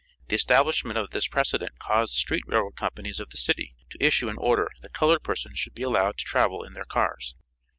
The establishment of this precedent caused the street railroad companies of the city to issue an order that colored persons should be allowed to travel in their cars.